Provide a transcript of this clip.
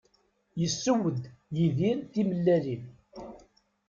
Yesseww-d Yidir timellalin.